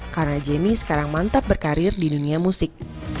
karena jamie sekarang mantap berkarir di dunia musik